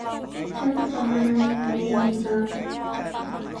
Shatupa manami qillaynin kanku.